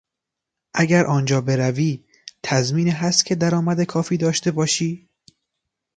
اگر آنجا بروی، تضمینی هست که درآمد کافی داشته باشی؟